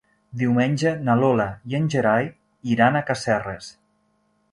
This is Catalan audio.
Diumenge na Lola i en Gerai iran a Casserres.